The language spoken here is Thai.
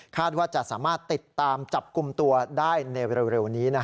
ว่าจะสามารถติดตามจับกลุ่มตัวได้ในเร็วนี้